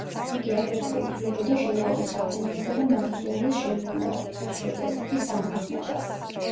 იგი აგრეთვე ითვლებოდა შინაური საქონელისა და მარცვლეულის შემქმნელად, მსოფლიო წესრიგის დამფუძნებლად.